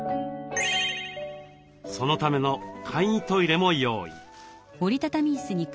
そのための簡易トイレも用意。